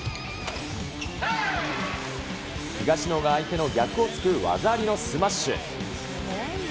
東野が相手の逆を突く技ありのスマッシュ。